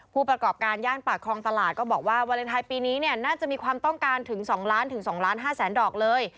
ผู้ประกอบการย่านปากคลองตลาดก็บอกว่าวาเลนไทยปีนี้เนี่ยน่าจะมีความต้องการถึง๒ล้านถึง๒ล้าน๕แสนดอกเลย